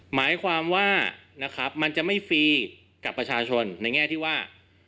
หมายความว่านะครับมันจะไม่ฟรีกับประชาชนในแง่ที่ว่า